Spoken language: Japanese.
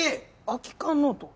空き缶ノート？